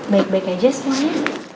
baik baik aja semuanya